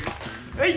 はい！